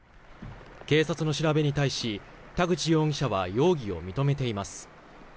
警察の調べに対し、田口容疑者は容疑を認めています。